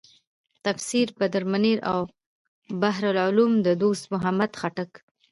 تفسیر بدرمنیر او بحر العلوم د دوست محمد خټک.